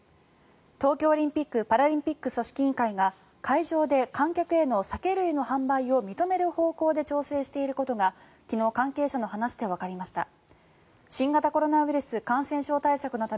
東京オリンピック・パラリンピック組織委員会が会場で観客への酒類の販売を認める方向で調整していることが昨日、関係者の話でわかりました。